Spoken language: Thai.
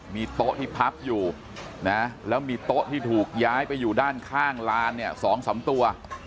มีโต๊ะที่พับอยู่นะแล้วมีโต๊ะที่ถูกย้ายไปอยู่ด้านข้างลานเนี่ย๒๓ตัว